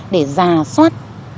để giả soát